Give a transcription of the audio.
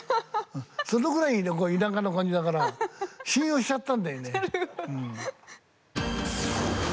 そのぐらいの田舎の感じだから信用しちゃったんだよね。